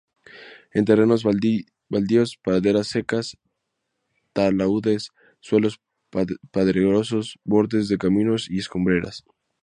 En terrenos baldíos, praderas secas, taludes, suelos pedregosos, bordes de caminos y escombreras.